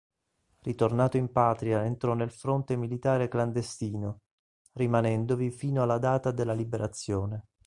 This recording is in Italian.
Ritornato in Patria entrò nel Fronte militare clandestino, rimanendovi fino alla data della Liberazione.